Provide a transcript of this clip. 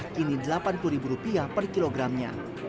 kini rp delapan puluh per kilogramnya